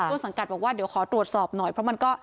ต้นสังกัดบอกว่าเดี๋ยวขอตรวจสอบหน่อยเพราะมันก็